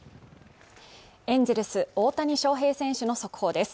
エンゼルス大谷翔平選手の速報です